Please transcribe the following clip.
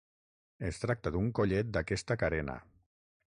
Es tracta d'un collet d'aquesta carena.